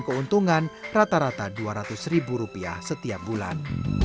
keuntungan rata rata dua ratus ribu rupiah setiap bulan